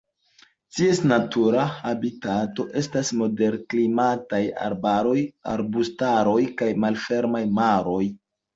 Ties natura habitato estas moderklimataj arbaroj, arbustaroj, kaj malfermaj maroj.